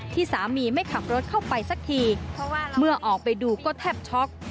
ที่สามีไม่ขับรถเข้าไปสักทีเมื่อออกไปดูก็แทบช็อก